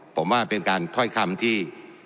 ผมว่าเป็นการถ้อยคำที่